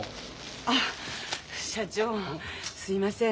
あ社長すいません